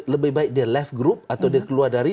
lebih baik dia keluar dari